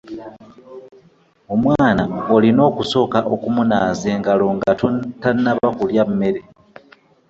Omwana olina okusooka okumunaaza engalo nga tannaba kulya mmere.